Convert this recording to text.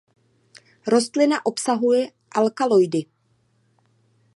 Rostlina obsahuje alkaloidy.